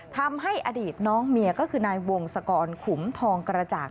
ทำให้อดีตน้องเมียก็คือนายวงศกรขุมทองกระจ่าง